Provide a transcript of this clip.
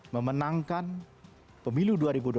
memenangkan pemilu dua ribu dua puluh